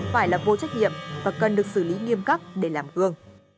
phải là vô trách nhiệm và cần được xử lý nghiêm khắc để làm gương